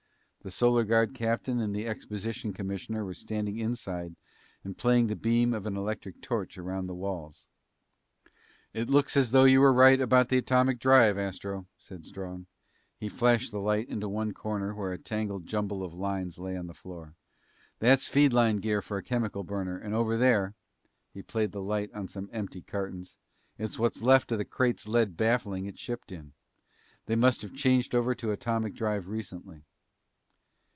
The Solar Guard captain and the exposition commissioner were standing inside and playing the beam of an electric torch around the walls. "Looks as though you were right about the atomic drive, Astro," said Strong. He flashed the light into one corner where a tangled jumble of lines lay on the floor. "That's feed line gear for a chemical burner, and over there" he played the light on some empty cartons "is what's left of the crate's lead baffling it shipped in. They must have changed over to atomic drive recently."